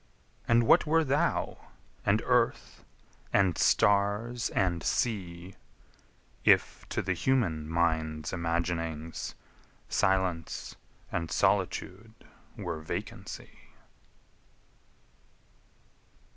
And what were thou, and earth, and stars, and sea, If to the human mind's imaginings Silence and solitude were vacancy?